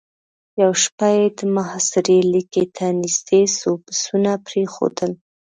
يوه شپه يې د محاصرې ليکې ته نېزدې څو پسونه پرېښودل.